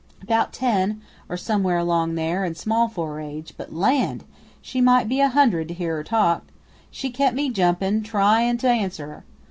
"'Bout ten, or somewhere along there, an' small for her age; but land! she might be a hundred to hear her talk! She kep' me jumpin' tryin' to answer her!